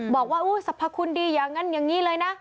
บอกว่าสรรพคุณดีอย่างนั้นอย่างนี้เลยนะ